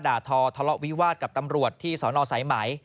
ทอทะเลาะวิวาสกับตำรวจที่สนสายไหม